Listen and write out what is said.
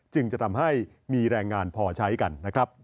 จึงจะทำให้มีแรงงานพอใช้กันนะครับ